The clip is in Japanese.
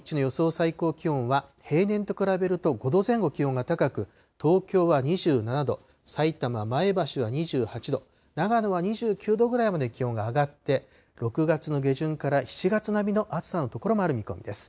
最高気温は平年と比べると５度前後気温が高く、東京は２７度、さいたま、前橋は２８度、長野は２９度ぐらいまで気温が上がって、６月の下旬から７月並みの暑さの所もある見込みです。